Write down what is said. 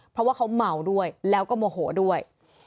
เพราะว่าเขาเมาด้วยแล้วก็โมโหด้วย